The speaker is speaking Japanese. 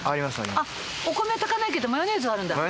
あっお米炊かないけどマヨネーズはあるんだ。